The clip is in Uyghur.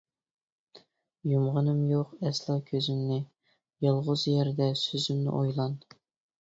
يۇمغىنىم يوق ئەسلا كۆزۈمنى، يالغۇز يەردە سۆزۈمنى ئويلان.